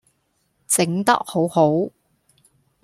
整得好好